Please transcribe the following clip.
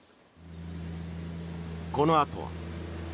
このあとは。